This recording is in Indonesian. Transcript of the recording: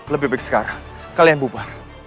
lebih baik sekarang kalian bubar